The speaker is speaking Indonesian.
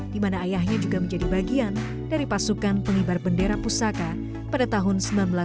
dimana ayahnya juga menjadi bagian dari pasukan pengibar bendera pusaka pada tahun seribu sembilan ratus delapan puluh sembilan